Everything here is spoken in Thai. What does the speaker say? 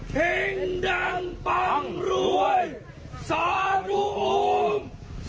แห่งดังปังรวยสาดุโอ้มสาดุโอ้มสานุโอ้ม